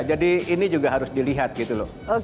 jadi ini juga harus dilihat gitu loh